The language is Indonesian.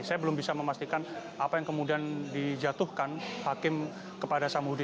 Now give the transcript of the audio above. saya belum bisa memastikan apa yang kemudian dijatuhkan hakim kepada samhudi